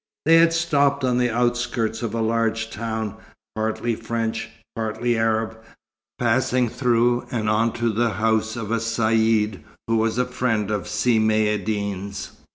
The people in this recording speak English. They had stopped on the outskirts of a large town, partly French, partly Arab, passing through and on to the house of a caïd who was a friend of Si Maïeddine's.